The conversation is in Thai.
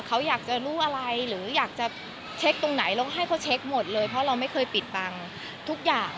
เขาอยากจะรู้อะไรหรืออยากจะเช็คตรงไหนเราให้เขาเช็คหมดเลยเพราะเราไม่เคยปิดบังทุกอย่าง